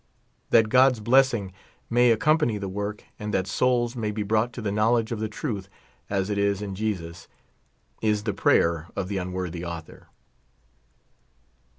That God's blessing may accompany the work, and that souls may be brought to the knowledge of th<^ truth as it is in Jesus, is the prayer of the unwortlw author.